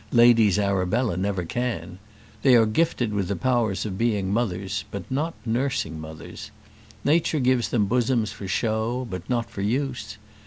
Ladies Arabella never can. They are gifted with the powers of being mothers, but not nursing mothers. Nature gives them bosoms for show, but not for use.